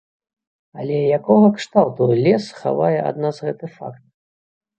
Але якога кшталту лес хавае ад нас гэты факт?